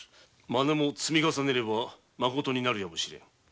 マネも積み重なればまことになるやもしれぬ。